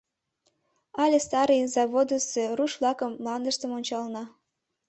Але Старый Заводысо руш-влакын мландыштым ончалына.